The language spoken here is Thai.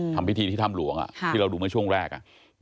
ทำพิธีที่ทำหลวงอะที่เราดูมาช่วงแรกอะ